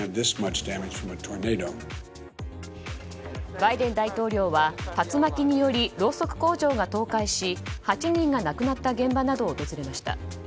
バイデン大統領は竜巻によりろうそく工場が倒壊し８人が亡くなった現場などを訪れました。